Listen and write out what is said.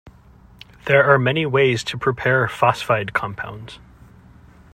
There are many ways to prepare phosphide compounds.